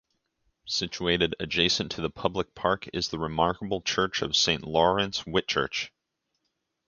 Situated adjacent to the public park is the remarkable church of Saint Lawrence, Whitchurch.